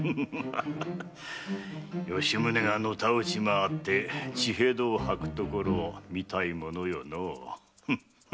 吉宗がのたうち回って血ヘドを吐くところを見たいものよのう。